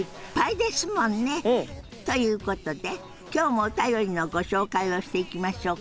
うん！ということで今日もお便りのご紹介をしていきましょうか。